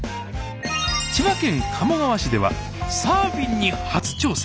千葉県鴨川市ではサーフィンに初挑戦。